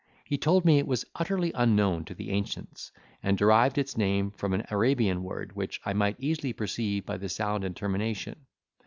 He told me it was utterly unknown to the ancients; and derived its name from an Arabian word, which I might easily perceive by the sound and termination.